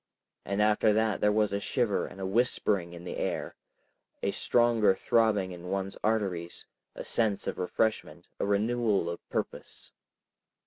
And after that there was a shiver and whispering in the air, a stronger throbbing in one's arteries, a sense of refreshment, a renewal of purpose.